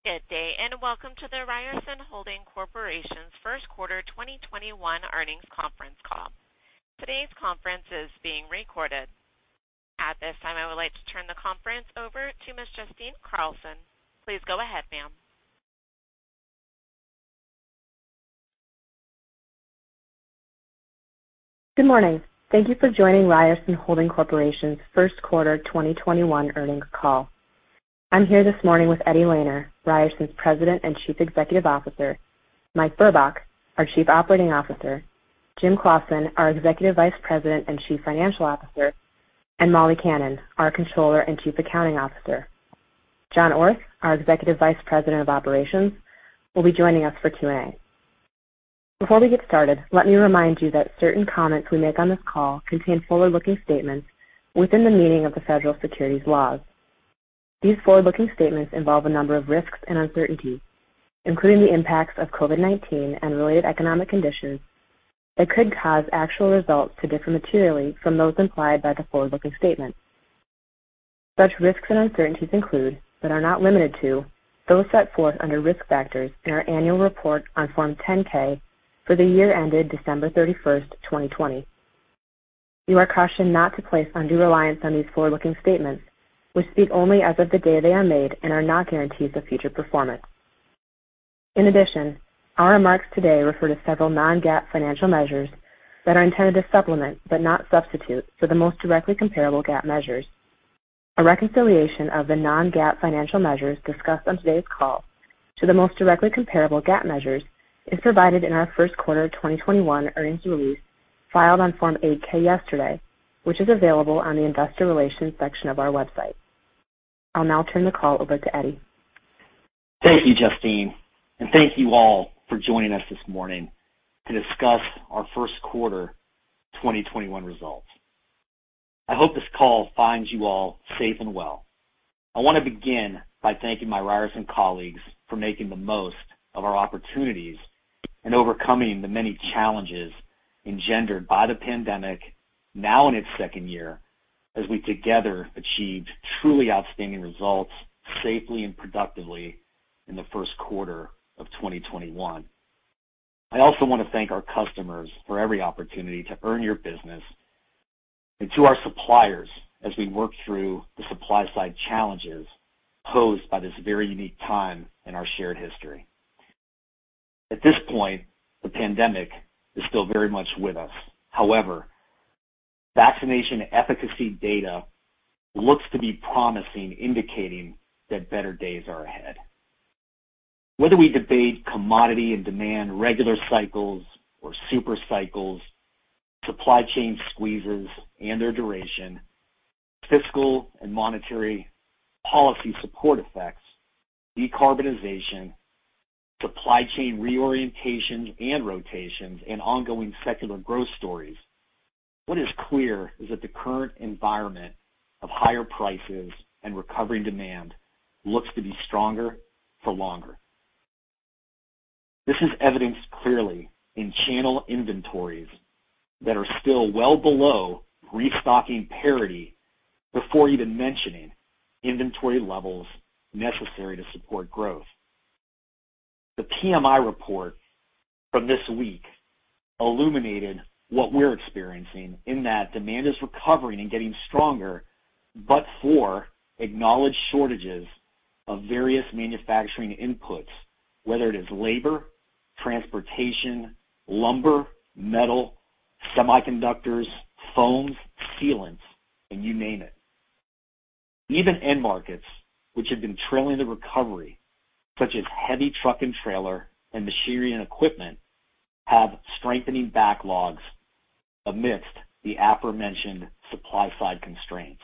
Good day, welcome to the Ryerson Holding Corporation's first quarter 2021 earnings conference call. Today's conference is being recorded. At this time, I would like to turn the conference over to Ms. Justine Carlson. Please go ahead, ma'am. Good morning. Thank you for joining Ryerson Holding Corporation's first quarter 2021 earnings call. I'm here this morning with Eddie Lehner, Ryerson's President and Chief Executive Officer, Mike Burbach, our Chief Operating Officer, James Claussen, our Executive Vice President and Chief Financial Officer, and Molly Kannan, our Controller and Chief Accounting Officer. John Orth, our Executive Vice President of Operations, will be joining us for Q&A. Before we get started, let me remind you that certain comments we make on this call contain forward-looking statements within the meaning of the federal securities laws. These forward-looking statements involve a number of risks and uncertainties, including the impacts of COVID-19 and related economic conditions that could cause actual results to differ materially from those implied by the forward-looking statements. Such risks and uncertainties include, but are not limited to, those set forth under Risk Factors in our annual report on Form 10-K for the year ended December 31st, 2020. You are cautioned not to place undue reliance on these forward-looking statements, which speak only as of the day they are made and are not guarantees of future performance. Our remarks today refer to several non-GAAP financial measures that are intended to supplement, but not substitute for, the most directly comparable GAAP measures. A reconciliation of the non-GAAP financial measures discussed on today's call to the most directly comparable GAAP measures is provided in our first quarter 2021 earnings release filed on Form 8-K yesterday, which is available on the Investor Relations section of our website. I'll now turn the call over to Eddie. Thank you, Justine, and thank you all for joining us this morning to discuss our first quarter 2021 results. I hope this call finds you all safe and well. I want to begin by thanking my Ryerson colleagues for making the most of our opportunities and overcoming the many challenges engendered by the pandemic, now in its second year, as we together achieved truly outstanding results safely and productively in the first quarter of 2021. I also want to thank our customers for every opportunity to earn your business, and to our suppliers, as we work through the supply-side challenges posed by this very unique time in our shared history. At this point, the pandemic is still very much with us. Vaccination efficacy data look to be promising, indicating that better days are ahead. Whether we debate commodity and demand regular cycles or super cycles, supply chain squeezes and their duration, fiscal and monetary policy support effects, decarbonization, supply chain reorientation and rotations, and ongoing secular growth stories, what is clear is that the current environment of higher prices and recovering demand looks to be stronger for longer. This is evidenced clearly in channel inventories that are still well below restocking parity, before even mentioning inventory levels necessary to support growth. The PMI report from this week illuminated what we're experiencing in that demand is recovering and getting stronger, but for acknowledged shortages of various manufacturing inputs, whether it is labor, transportation, lumber, metal, semiconductors, foams, sealants, and you name it. Even end markets which have been trailing the recovery, such as heavy truck and trailer, and machinery and equipment, have strengthening backlogs amidst the aforementioned supply-side constraints.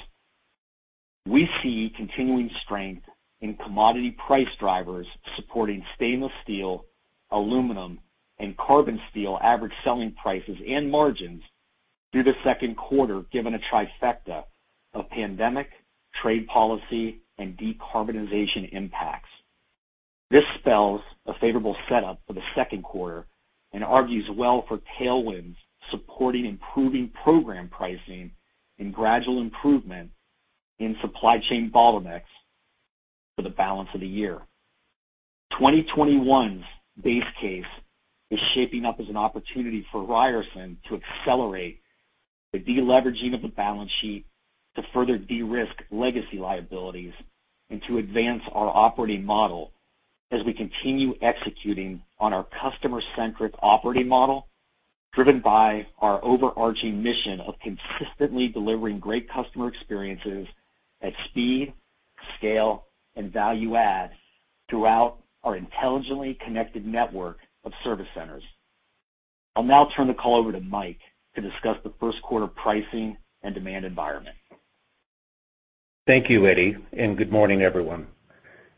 We see continuing strength in commodity price drivers supporting stainless steel, aluminum, and carbon steel average selling prices and margins through the second quarter, given a trifecta of pandemic, trade policy, and decarbonization impacts. This spells a favorable setup for the second quarter and argues well for tailwinds supporting improving program pricing and gradual improvement in supply chain bottlenecks for the balance of the year. 2021's base case is shaping up as an opportunity for Ryerson to accelerate the de-leveraging of the balance sheet to further de-risk legacy liabilities and to advance our operating model as we continue executing on our customer-centric operating model, driven by our overarching mission of consistently delivering great customer experiences at speed, scale, and value add throughout our intelligently connected network of service centers. I'll now turn the call over to Mike to discuss the first quarter pricing and demand environment. Thank you, Eddie, and good morning, everyone.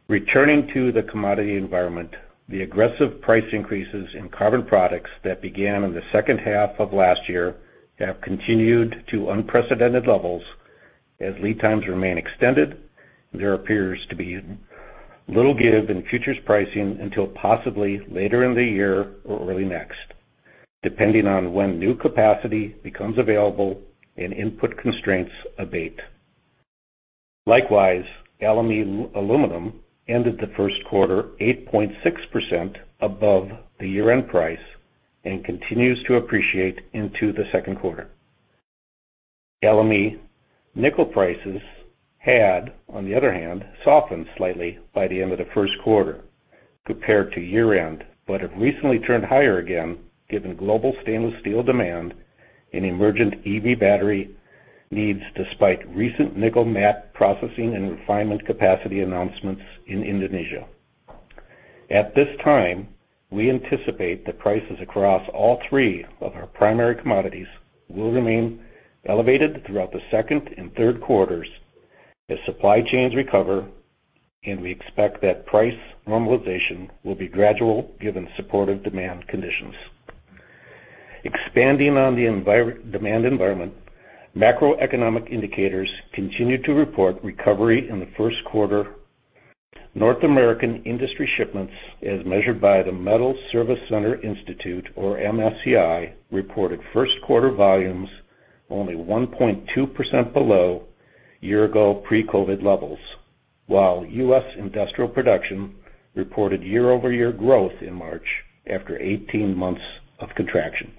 Returning to the commodity environment, the aggressive price increases in carbon products that began in the second half of last year have continued to unprecedented levels. As lead times remain extended, there appears to be little give in futures pricing until possibly later in the year or early next. Depending on when new capacity becomes available, and input constraints abate. Likewise, LME aluminum ended the first quarter 8.6% above the year-end price and continues to appreciate into the second quarter. LME nickel prices had, on the other hand, softened slightly by the end of the first quarter compared to year-end, but have recently turned higher again, given global stainless steel demand and emergent EV battery needs, despite recent nickel matte processing and refinement capacity announcements in Indonesia. At this time, we anticipate that prices across all three of our primary commodities will remain elevated throughout the second and third quarters as supply chains recover, and we expect that price normalization will be gradual given supportive demand conditions. Expanding on the demand environment, macroeconomic indicators continued to report recovery in the first quarter. North American industry shipments, as measured by the Metal Service Center Institute, or MSCI, reported first-quarter volumes only 1.2% below year-ago pre-COVID levels, while U.S. industrial production reported year-over-year growth in March after 18 months of contraction.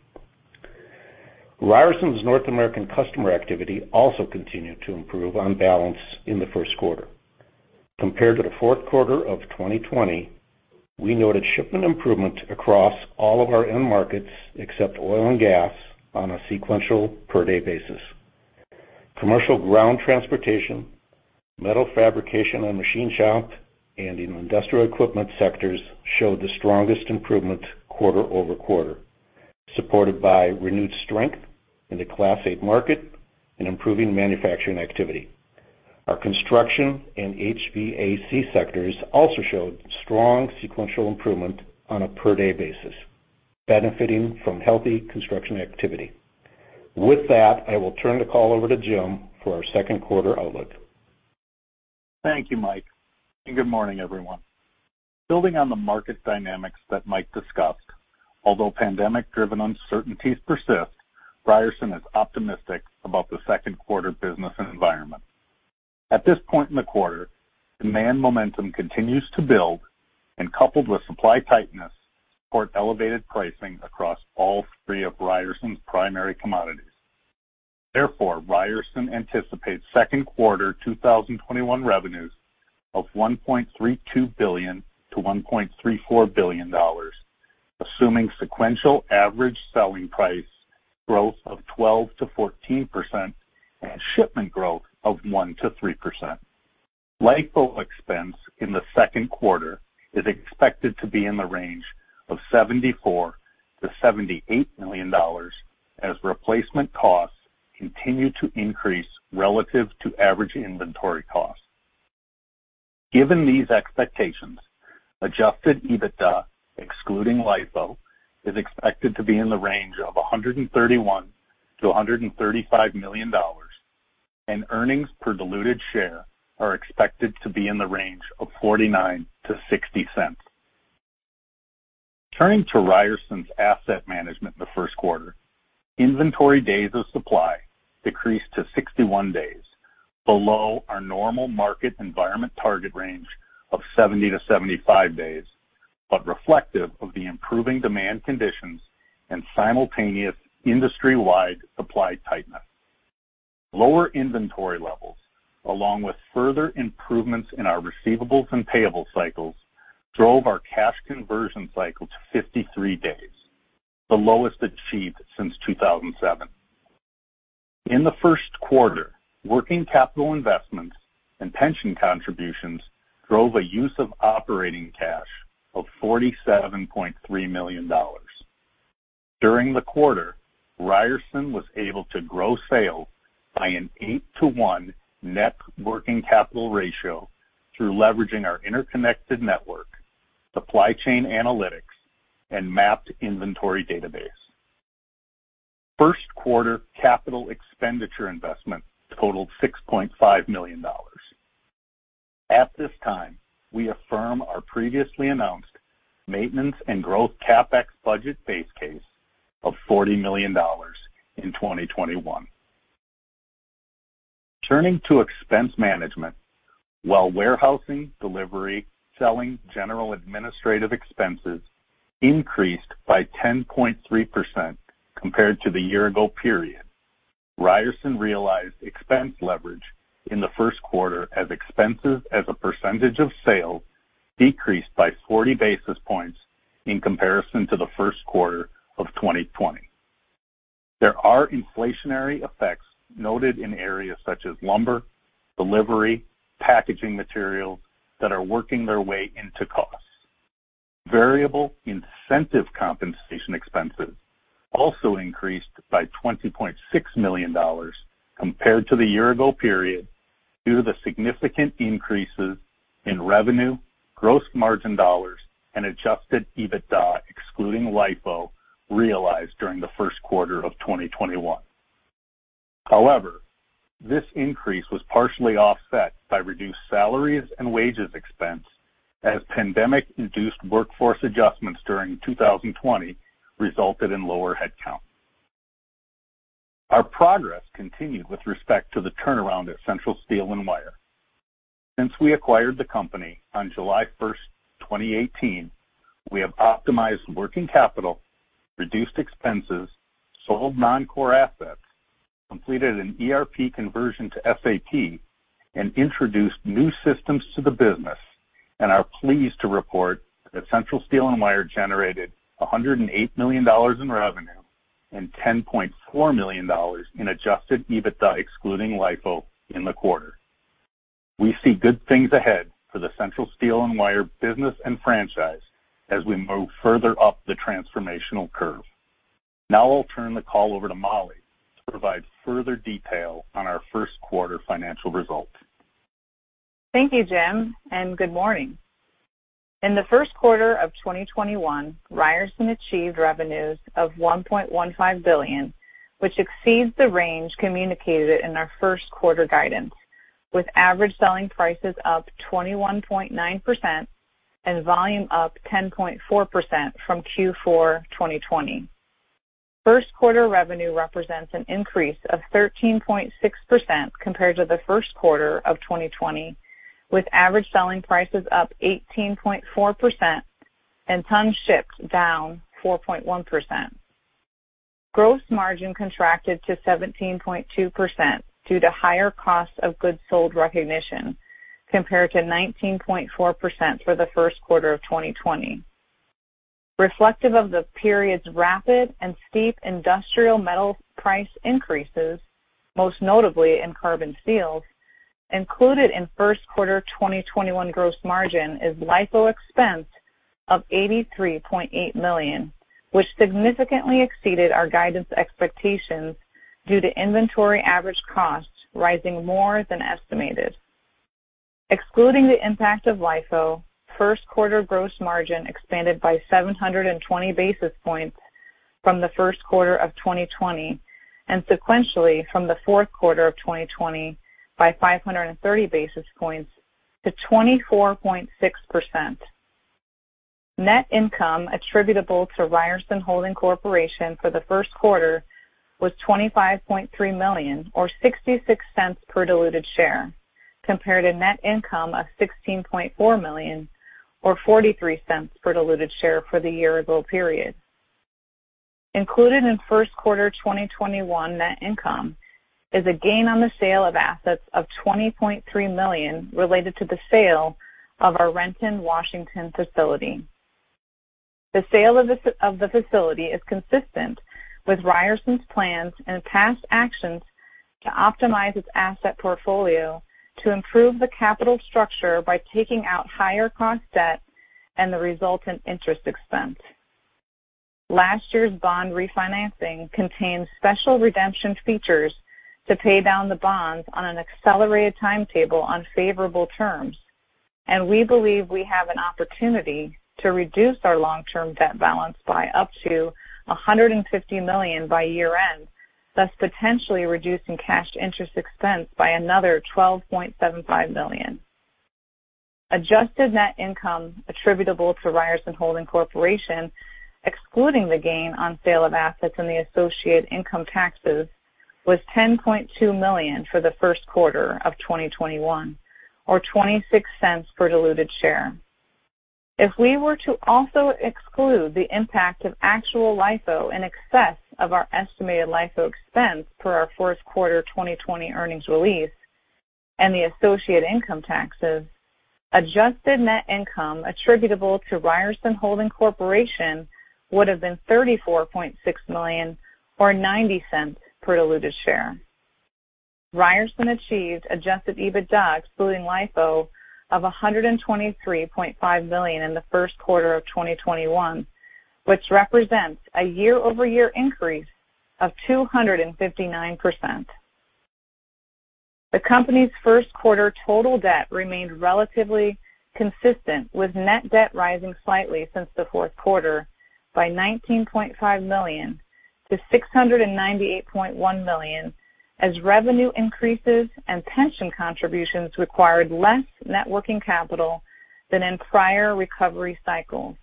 Ryerson's North American customer activity also continued to improve on balance in the first quarter. Compared to the fourth quarter of 2020, we noted shipment improvement across all of our end markets except oil and gas on a sequential per-day basis. Commercial ground transportation, metal fabrication and machine shop, and industrial equipment sectors showed the strongest improvement quarter-over-quarter, supported by renewed strength in the Class 8 market and improving manufacturing activity. Our construction and HVAC sectors also showed strong sequential improvement on a per-day basis, benefiting from healthy construction activity. With that, I will turn the call over to Jim for our second quarter outlook. Thank you, Mike, and good morning, everyone. Building on the market dynamics that Mike discussed, although pandemic-driven uncertainties persist, Ryerson is optimistic about the second-quarter business environment. At this point in the quarter, demand momentum continues to build and, coupled with supply tightness, supports elevated pricing across all three of Ryerson's primary commodities. Therefore, Ryerson anticipates second quarter 2021 revenues of $1.32 billion-$1.34 billion, assuming sequential average selling price growth of 12%-14% and shipment growth of 1%-3%. LIFO expense in the second quarter is expected to be in the range of $74 million-$78 million as replacement costs continue to increase relative to average inventory costs. Given these expectations, adjusted EBITDA, excluding LIFO, is expected to be in the range of $131 million-$135 million, and earnings per diluted share are expected to be in the range of $0.49-$0.60. Turning to Ryerson's asset management in the first quarter, inventory days of supply decreased to 61 days, below our normal market environment target range of 70-75 days, reflective of the improving demand conditions and simultaneous industry-wide supply tightness. Lower inventory levels, along with further improvements in our receivables and payables cycles, drove our cash conversion cycle to 53 days, the lowest achieved since 2007. In the first quarter, working capital investments and pension contributions drove a use of operating cash of $47.3 million. During the quarter, Ryerson was able to grow sales by an 8:1 net working capital ratio through leveraging our interconnected network, supply chain analytics, and mapped inventory database. First-quarter capital expenditure investment totaled $6.5 million. At this time, we affirm our previously announced maintenance and growth CapEx budget base case of $40 million in 2021. Turning to expense management. While warehousing, delivery, selling, and general administrative expenses increased by 10.3% compared to the year-ago period, Ryerson realized expense leverage in the first quarter as expenses as a percentage of sales decreased by 40 basis points in comparison to the first quarter of 2020. There are inflationary effects noted in areas such as lumber, delivery, packaging materials that are working their way into costs. Variable incentive compensation expenses also increased by $20.6 million compared to the year-ago period due to the significant increases in revenue, gross margin dollars, and adjusted EBITDA excluding LIFO realized during the first quarter of 2021. However, this increase was partially offset by reduced salaries and wages expense as pandemic-induced workforce adjustments during 2020 resulted in lower headcount. Our progress continued with respect to the turnaround at Central Steel & Wire. Since we acquired the company on July 1st, 2018, we have optimized working capital, reduced expenses, sold non-core assets, completed an ERP conversion to SAP, and introduced new systems to the business, and are pleased to report that Central Steel & Wire generated $108 million in revenue and $10.4 million in adjusted EBITDA, excluding LIFO in the quarter. We see good things ahead for the Central Steel & Wire business and franchise as we move further up the transformational curve. I'll turn the call over to Molly to provide further details on our first quarter financial results. Thank you, Jim, and good morning. In the first quarter of 2021, Ryerson achieved revenues of $1.15 billion, which exceeds the range communicated in our first quarter guidance, with average selling prices up 21.9% and volume up 10.4% from Q4 2020. First quarter revenue represents an increase of 13.6% compared to the first quarter of 2020, with average selling prices up 18.4% and tons shipped down 4.1%. Gross margin contracted to 17.2% due to higher cost of goods sold recognition, compared to 19.4% for the first quarter of 2020. Reflective of the period's rapid and steep industrial metal price increases, most notably in carbon steel, included in the first quarter 2021 gross margin is LIFO expense of $83.8 million, which significantly exceeded our guidance expectations due to inventory average costs rising more than estimated. Excluding the impact of LIFO, first-quarter gross margin expanded by 720 basis points from the first quarter of 2020 and sequentially from the fourth quarter of 2020 by 530 basis points to 24.6%. Net income attributable to Ryerson Holding Corporation for the first quarter was $25.3 million or $0.66 per diluted share, compared to net income of $16.4 million or $0.43 per diluted share for the year-ago period. Included in the first quarter 2021 net income is a gain on the sale of assets of $20.3 million related to the sale of our Renton, Washington facility. The sale of the facility is consistent with Ryerson's plans and past actions to optimize its asset portfolio to improve the capital structure by taking out higher-cost debt and the resultant interest expense. Last year's bond refinancing contained special redemption features to pay down the bonds on an accelerated timetable on favorable terms, and we believe we have an opportunity to reduce our long-term debt balance by up to $150 million by year-end, thus potentially reducing cash interest expense by another $12.75 million. Adjusted net income attributable to Ryerson Holding Corporation, excluding the gain on sale of assets and the associated income taxes, was $10.2 million for the first quarter of 2021, or $0.26 per diluted share. If we were to also exclude the impact of actual LIFO in excess of our estimated LIFO expense per our first quarter 2020 earnings release and the associated income taxes, adjusted net income attributable to Ryerson Holding Corporation would have been $34.6 million or $0.90 per diluted share. Ryerson achieved adjusted EBITDA, excluding LIFO, of $123.5 million in the first quarter of 2021, which represents a year-over-year increase of 259%. The company's first quarter total debt remained relatively consistent, with net debt rising slightly since the fourth quarter by $19.5 million to $698.1 million as revenue increases and pension contributions required less net working capital than in prior recovery cycles.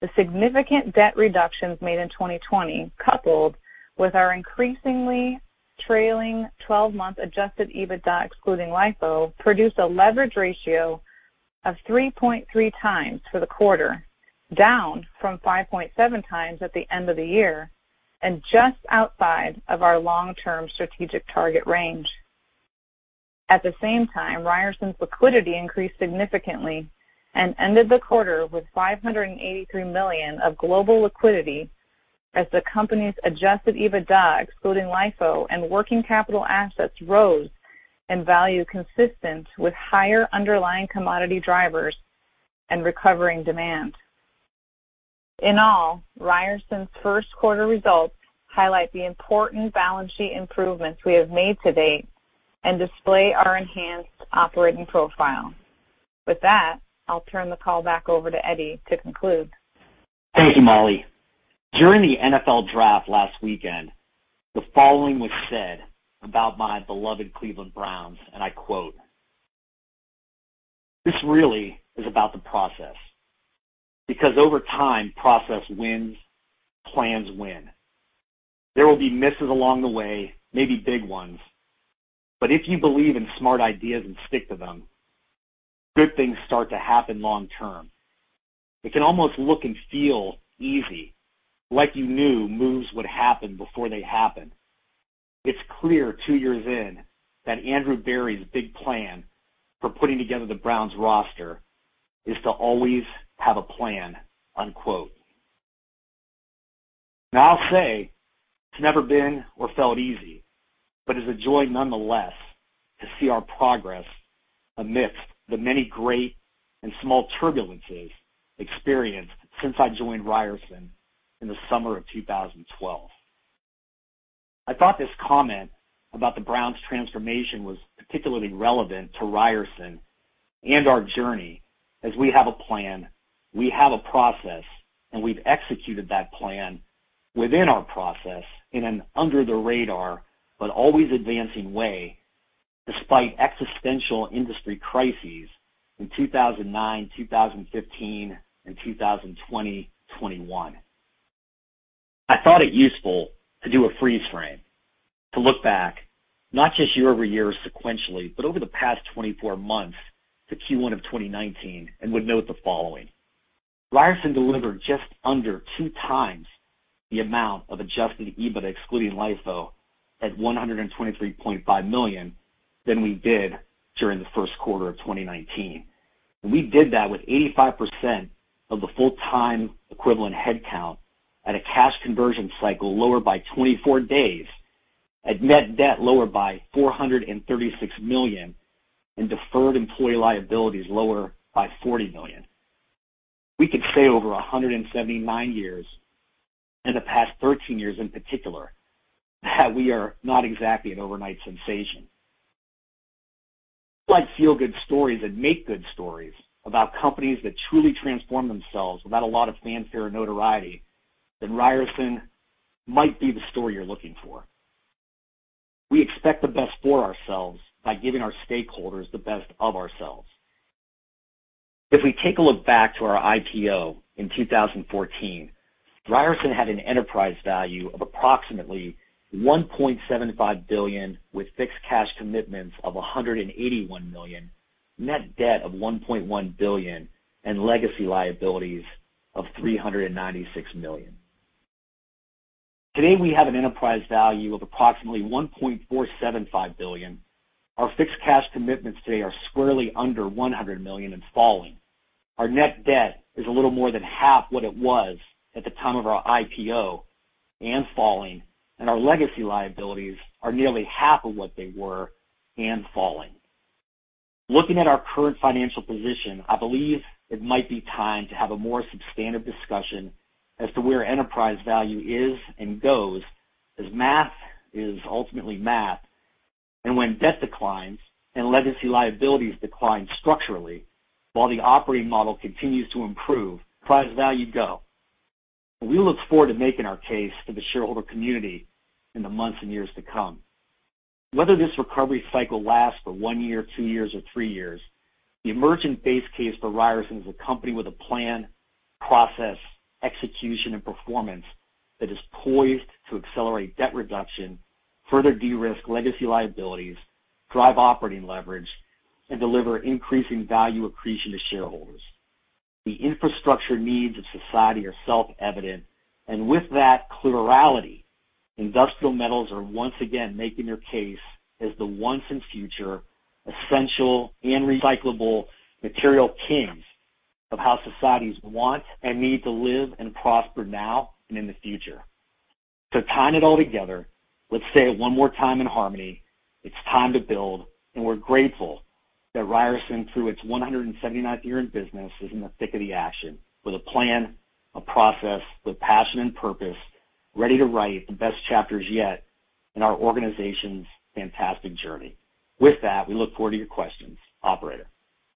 The significant debt reductions made in 2020, coupled with our increasingly trailing 12-month adjusted EBITDA, excluding LIFO, produced a leverage ratio of 3.3x for the quarter, down from 5.7x at the end of the year and just outside of our long-term strategic target range. At the same time, Ryerson's liquidity increased significantly and ended the quarter with $583 million of global liquidity as the company's adjusted EBITDA, excluding LIFO, and working capital assets rose in value consistent with higher underlying commodity drivers and recovering demand. In all, Ryerson's first quarter results highlight the important balance sheet improvements we have made to date and display our enhanced operating profile. With that, I'll turn the call back over to Eddie to conclude. Thank you, Molly. During the NFL Draft last weekend, the following was said about my beloved Cleveland Browns, and I quote, "This really is about the process, because over time, process wins, plans win. There will be misses along the way, maybe big ones. If you believe in smart ideas and stick to them, good things start to happen long-term. It can almost look and feel easy, like you knew moves would happen before they happened. It's clear two years in that, Andrew Berry's big plan for putting together the Browns roster is to always have a plan." I'll say it's never been or felt easy, but is a joy nonetheless to see our progress amidst the many great and small turbulences experienced since I joined Ryerson in the summer of 2012. I thought this comment about the Browns' transformation was particularly relevant to Ryerson and our journey, as we have a plan, we have a process, and we've executed that plan within our process in an under-the-radar but always advancing way despite existential industry crises in 2009, 2015, and 2020, 2021. I thought it useful to do a freeze frame, to look back not just year-over-year sequentially, but over the past 24 months to Q1 of 2019. Would note the following. Ryerson delivered just under 2x the amount of adjusted EBITDA, excluding LIFO, at $123.5 million, than we did during the first quarter of 2019. We did that with 85% of the full-time equivalent headcount at a cash conversion cycle lower by 24 days, at net debt lower by $436 million, and deferred employee liabilities lower by $40 million. We can say over 179 years, and the past 13 years in particular, that we are not exactly an overnight sensation. If you like feel-good stories and make-good stories about companies that truly transform themselves without a lot of fanfare or notoriety, then Ryerson might be the story you're looking for. We expect the best for ourselves by giving our stakeholders the best of ourselves. If we take a look back to our IPO in 2014, Ryerson had an enterprise value of approximately $1.75 billion with fixed cash commitments of $181 million, net debt of $1.1 billion, and legacy liabilities of $396 million. Today, we have an enterprise value of approximately $1.475 billion. Our fixed cash commitments today are squarely under $100 million and falling. Our net debt is a little more than half what it was at the time of our IPO and falling, and our legacy liabilities are nearly half of what they were and falling. Looking at our current financial position, I believe it might be time to have a more substantive discussion as to where enterprise value is and goes, as math is ultimately math. When debt declines, and legacy liabilities decline structurally while the operating model continues to improve, enterprise value go. We look forward to making our case to the shareholder community in the months and years to come. Whether this recovery cycle lasts for one year, two years, or three years, the emergent base case for Ryerson is a company with a plan, process, execution, and performance that is poised to accelerate debt reduction, further de-risk legacy liabilities, drive operating leverage, and deliver increasing value accretion to shareholders. The infrastructure needs of society are self-evident, and with that clear reality, industrial metals are once again making their case as the once and future essential and recyclable material kings of how societies want and need to live and prosper now and in the future. To tie it all together, let's say it one more time in harmony: it's time to build, and we're grateful that Ryerson, through its 179th year in business, is in the thick of the action with a plan, a process, with passion and purpose, ready to write the best chapters yet in our organization's fantastic journey. With that, we look forward to your questions. Operator?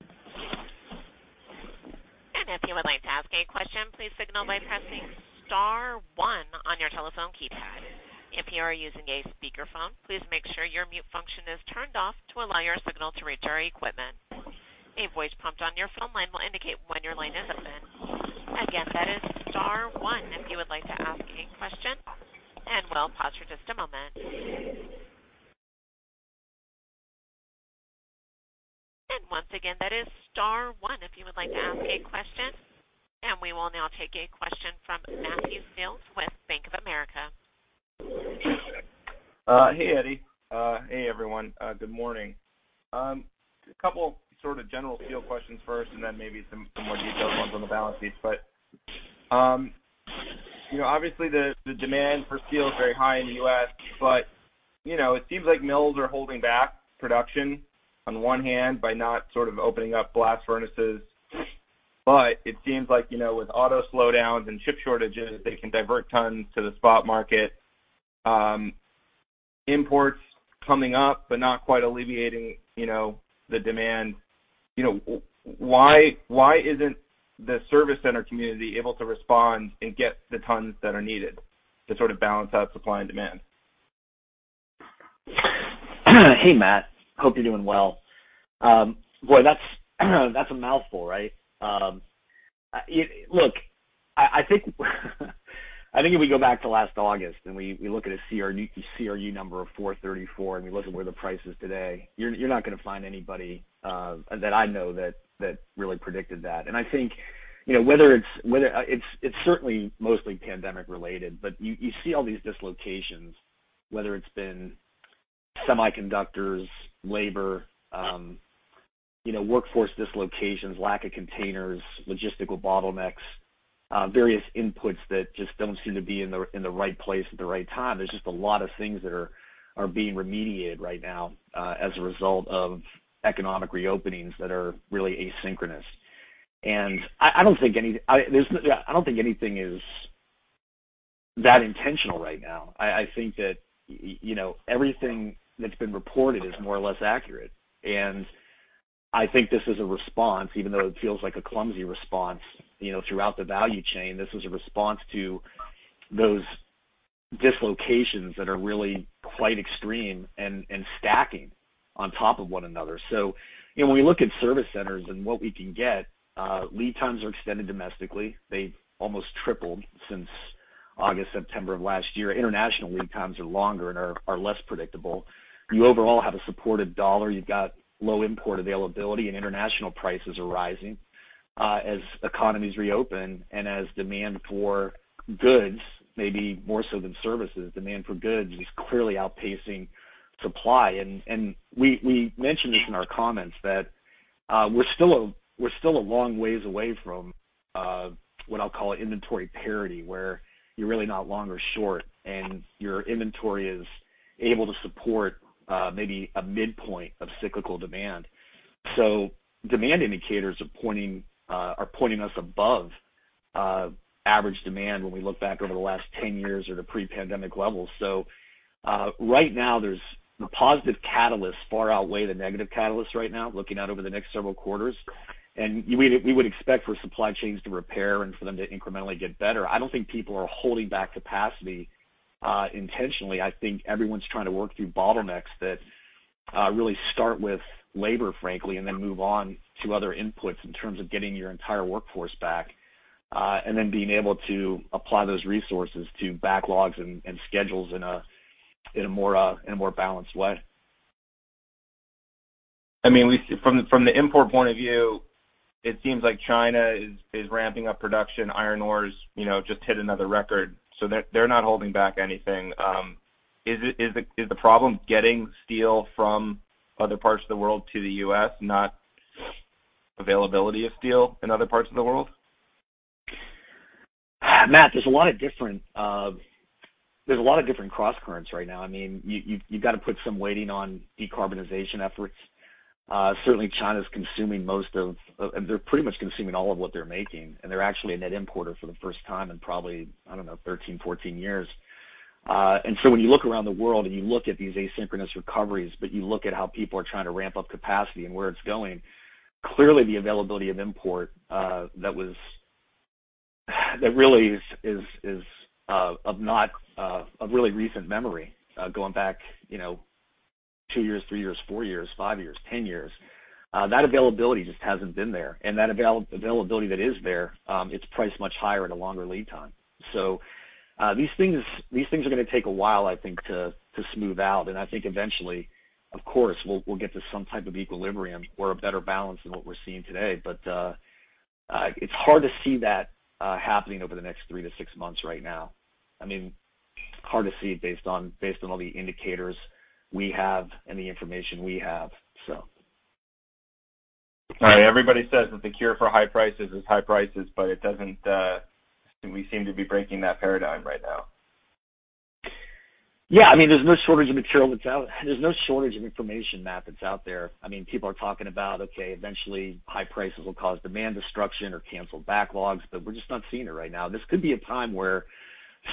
And if you would like to ask a question, please signal by pressing star one on your telephone keypad. If you are using a speakerphone, please make sure your mute function is turned off to allow your signal to reach our equipment. A voice prompt on your phone line will indicate when your line is open. Again, that is star one if you would like to ask a question, and we'll pause for just a moment. And once again, that is star one if you would like to ask a question. And we will now take a question from Matthew Fields with Bank of America. Hey, Eddie. Hey, everyone. Good morning. A couple sort of general field questions first, and then maybe some more detailed ones on the balance sheet. Obviously, the demand for steel is very high in the U.S., but it seems like mills are holding back production on one hand by not sort of opening up blast furnaces. It seems like with auto slowdowns and chip shortages, they can divert tons to the spot market. Imports are coming up, but not quite alleviating the demand. Why isn't the service center community able to respond and get the tons that are needed to sort of balance out supply and demand? Hey, Matt. Hope you're doing well. Boy, that's a mouthful, right? Look, I think if we go back to last August and we look at a CRU number of 434, and we look at where the price is today, you're not going to find anybody that I know that really predicted that. I think it's certainly mostly pandemic-related, but you see all these dislocations, whether it's been semiconductors, labor, workforce dislocations, lack of containers, logistical bottlenecks, various inputs that just don't seem to be in the right place at the right time. There's just a lot of things that are being remediated right now as a result of economic reopenings that are really asynchronous. I don't think anything is that intentional right now. I think that everything that's been reported is more or less accurate. I think this is a response, even though it feels like a clumsy response throughout the value chain. This is a response to those dislocations that are really quite extreme and stacking on top of one another. When we look at service centers and what we can get, lead times are extended domestically. They've almost tripled since August, September of last year. International lead times are longer and are less predictable. You overall have a supported dollar. You've got low import availability. International prices are rising as economies reopen, and as demand for goods, maybe more so than services, demand for goods is clearly outpacing supply. We mentioned this in our comments that we're still a long way away from what I'll call inventory parity, where you're really not long or short, and your inventory is able to support maybe a midpoint of cyclical demand. Demand indicators are pointing us above average demand when we look back over the last 10 years or to pre-pandemic levels. Right now, the positive catalysts far outweigh the negative catalysts right now, looking out over the next several quarters. We would expect for supply chains to repair and for them to incrementally get better. I don't think people are holding back capacity intentionally. I think everyone's trying to work through bottlenecks that really start with labor, frankly, and then move on to other inputs in terms of getting your entire workforce back, and then being able to apply those resources to backlogs and schedules in a more balanced way. From the import point of view, it seems like China is ramping up production. Iron ores just hit another record, so they're not holding back anything. Is the problem getting steel from other parts of the world to the U.S., not availability of steel in other parts of the world? Matt, there's a lot of different cross-currents right now. You've got to put some weighting on decarbonization efforts. Certainly, they're pretty much consuming all of what they're making, and they're actually a net importer for the first time in probably, I don't know, 13, 14 years. When you look around the world, and you look at these asynchronous recoveries, but you look at how people are trying to ramp up capacity and where it's going, clearly the availability of imports that really is of not a really recent memory, going back two years, three years, four years, five years, 10 years. That availability just hasn't been there, and that availability that is there it's priced much higher at a longer lead time. These things are going to take a while, I think, to smooth out, and I think eventually, of course, we'll get to some type of equilibrium or a better balance than what we're seeing today. It's hard to see that happening over the next three to six months right now. It's hard to see based on all the indicators we have and the information we have. All right. Everybody says that the cure for high prices is high prices, but we seem to be breaking that paradigm right now. Yeah, there's no shortage of material that's out. There's no shortage of information, Matt, that's out there. People are talking about, okay, eventually high prices will cause demand destruction or canceled backlogs, but we're just not seeing it right now. This could be a time where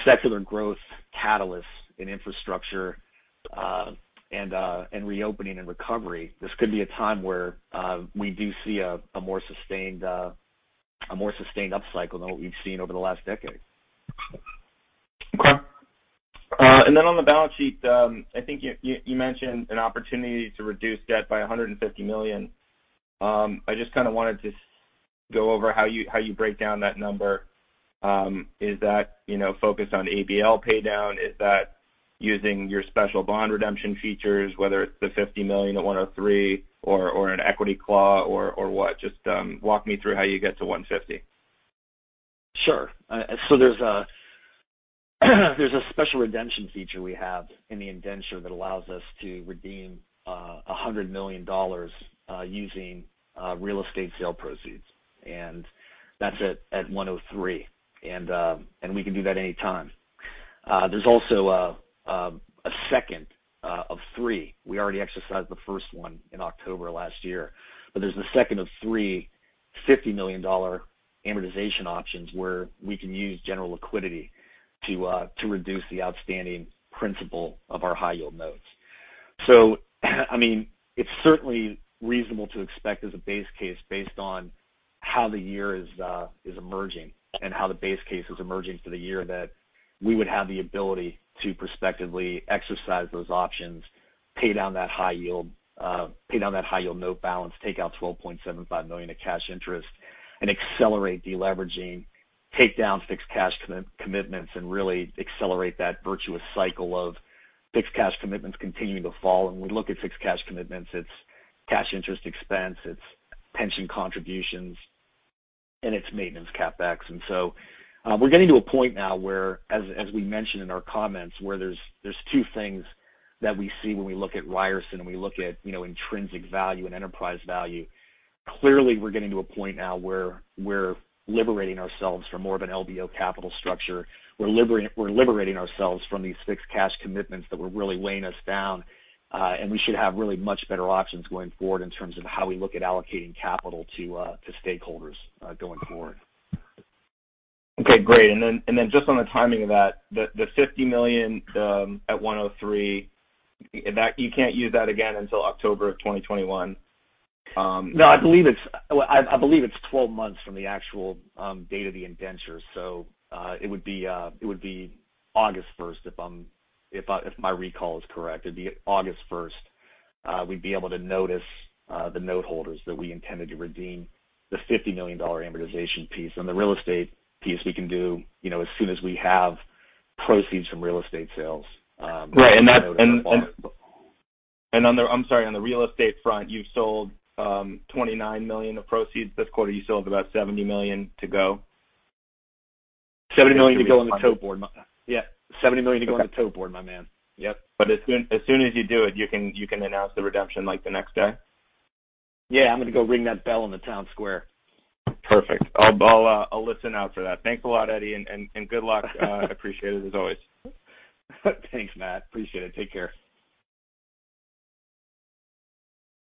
secular growth catalysts in infrastructure and reopening and recovery, this could be a time where we do see a more sustained up cycle than what we've seen over the last decade. Okay. On the balance sheet, I think you mentioned an opportunity to reduce debt by $150 million. I just kind of wanted to go over how you break down that number. Is that focused on ABL paydown? Is that using your special bond redemption features, whether it's the $50 million at 103 or an equity claw, or what? Just walk me through how you get to $150 million. Sure. There's a special redemption feature we have in the indenture that allows us to redeem $100 million using real estate sale proceeds. That's at 103, and we can do that anytime. There's also a second of three. We already exercised the first one in October last year, but there's a second of three $50 million amortization options where we can use general liquidity to reduce the outstanding principal of our high-yield notes. It's certainly reasonable to expect as a base case based on how the year is emerging, and how the base case is emerging for the year, that we would have the ability to prospectively exercise those options, pay down that high-yield note balance, take out $12.75 million of cash interest, and accelerate de-leveraging, take down fixed cash commitments, and really accelerate that virtuous cycle of fixed cash commitments continuing to fall. When we look at fixed cash commitments, it's cash interest expense, it's pension contributions, and it's maintenance CapEx. We're getting to a point now where, as we mentioned in our comments, where there's two things that we see when we look at Ryerson, and we look at intrinsic value and enterprise value. Clearly, we're getting to a point now where we're liberating ourselves from more of an LBO capital structure. We're liberating ourselves from these fixed cash commitments that were really weighing us down. We should have really much better options going forward in terms of how we look at allocating capital to stakeholders going forward. Okay, great. Just on the timing of that, the $50 million at 103, you can't use that again until October of 2021? No, I believe it's 12 months from the actual date of the indenture. It would be August 1st if my recall is correct. It'd be August 1st, we'd be able to notice the note holders that we intended to redeem the $50 million amortization piece. The real estate piece we can do as soon as we have proceeds from real estate sales. Right. On the real estate front, you've sold $29 million of proceeds this quarter. You still have about $70 million to go. $70 million to go on the toe board. Yeah, $70 million to go on the toe board, my man. Yep. As soon as you do it, you can announce the redemption, like the next day? Yeah, I'm going to go ring that bell in the town square. Perfect. I'll listen out for that. Thanks a lot, Eddie, and good luck. I appreciate it as always. Thanks, Matt. Appreciate it. Take care.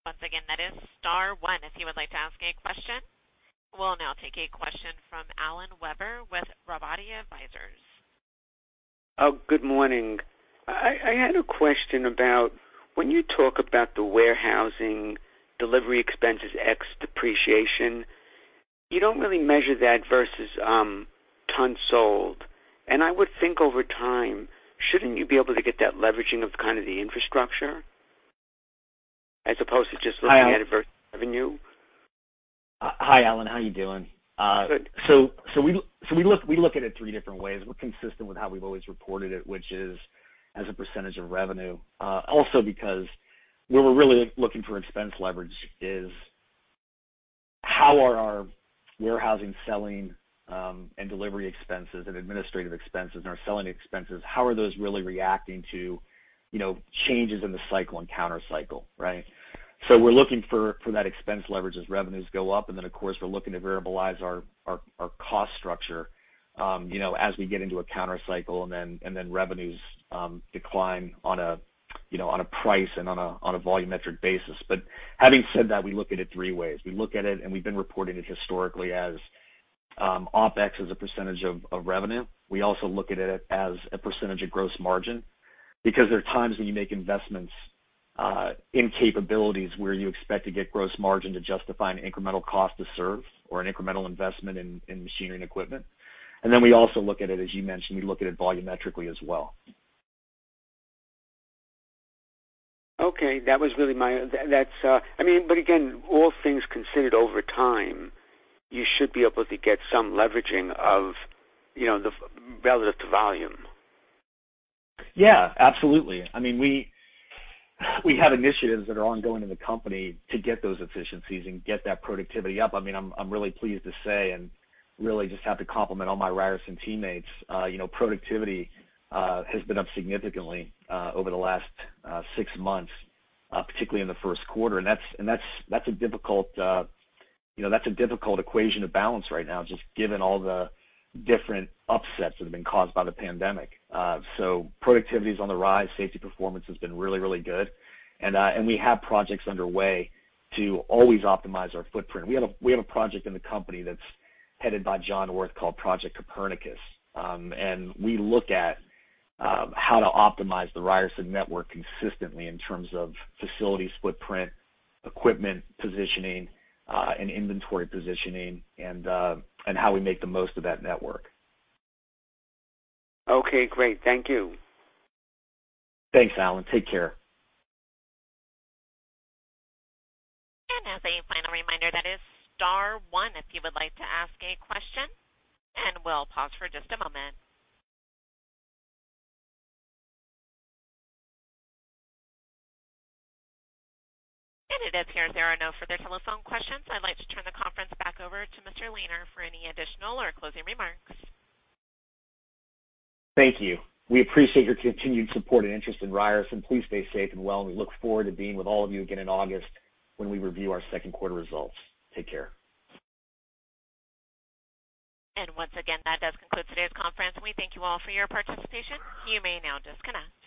Once again, that is star one if you would like to ask a question. We'll now take a question from Alan Weber with Robotti Advisors. Good morning. I had a question about when you talk about the warehousing delivery expenses ex depreciation, you don't really measure that versus tons sold. I would think over time, shouldn't you be able to get that leveraging of the kind of infrastructure as opposed to just looking at it versus revenue? Hi, Alan. How are you doing? Good. We look at it three different ways. We're consistent with how we've always reported it, which is as a percentage of revenue. Because where we're really looking for expense leverage is how are our warehousing, selling, and delivery expenses, and administrative expenses, and our selling expenses, how are those really reacting to changes in the cycle and counter-cycle, right? We're looking for that expense leverage as revenues go up, and then, of course, we're looking to variableize our cost structure as we get into a counter-cycle, and then revenues decline on a price and on a volumetric basis. Having said that, we look at it in three ways. We look at it, and we've been reporting it historically as OpEx as a percentage of revenue. We also look at it as a percentage of gross margin because there are times when you make investments in capabilities where you expect to get gross margin to justify an incremental cost to serve or an incremental investment in machinery and equipment. We also look at it, as you mentioned, we look at it volumetrically as well. Okay. Again, all things considered over time, you should be able to get some leveraging relative to volume. Yeah, absolutely. We have initiatives that are ongoing in the company to get those efficiencies and get that productivity up. I'm really pleased to say, and really just have to compliment all my Ryerson teammates. Productivity has been up significantly over the last six months, particularly in the first quarter. That's a difficult equation to balance right now, just given all the different upsets that have been caused by the pandemic. Productivity is on the rise. Safety performance has been really, really good. We have projects underway to always optimize our footprint. We have a project in the company that's headed by John Orth, called Project Copernicus. We look at how to optimize the Ryerson network consistently in terms of facilities footprint, equipment positioning, and inventory positioning, and how we make the most of that network. Okay, great. Thank you. Thanks, Alan. Take care. As a final reminder, that is star one if you would like to ask a question. We will pause for just a moment. It appears there are no further telephone questions. I'd like to turn the conference back over to Mr. Lehner for any additional or closing remarks. Thank you. We appreciate your continued support and interest in Ryerson. Please stay safe and well, and we look forward to being with all of you again in August when we review our second quarter results. Take care. Once again, that does conclude today's conference. We thank you all for your participation. You may now disconnect.